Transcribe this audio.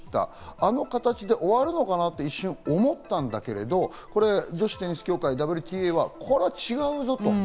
あの形で終わるのかなと一瞬思ったんだけれど、女子テニス協会、ＷＴＡはこれは違うぞと。